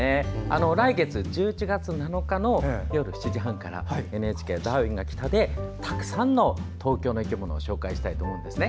来月１１月７日の夜７時半からＮＨＫ「ダーウィンが来た！」でたくさんの東京の生き物を紹介したいと思うんですね。